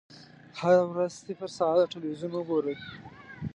هره ورځ صفر ساعته ټلویزیون وګورئ.